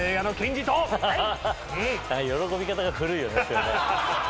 喜び方が古いよね。